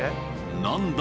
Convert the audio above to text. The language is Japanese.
何だ？